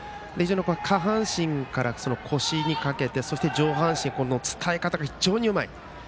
下半身から腰にかけてそして、上半身への伝え方が非常にうまい。